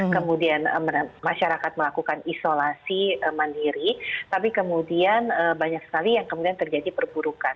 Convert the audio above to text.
kemudian masyarakat melakukan isolasi mandiri tapi kemudian banyak sekali yang kemudian terjadi perburukan